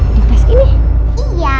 di pas ini iya